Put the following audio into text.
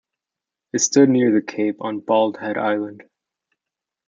It stood near the cape on Bald Head Island.